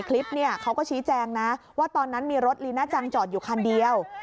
คลิปเนี่ยเขาก็ชี้แจงนะว่าตอนนั้นมีรถลีน่าจังจอดอยู่คันเดียว